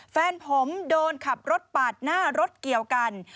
แฟนผมโดนขับรถปาดหน้ารถเกี่ยวกัน